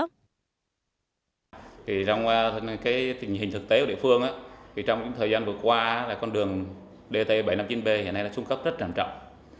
thì trong cái hình thực tế của địa phương thì trong những thời gian vừa qua là con đường dt bảy trăm năm mươi chín b hiện nay là xuống cấp rất tràn trọng